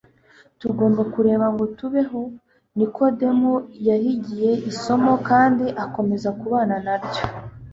Tugomba kureba ngo tubeho. Nikodemo yahigiye isomo, kandi akomeza kubana na ryo